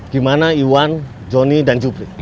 gimana iwan joni dan jupri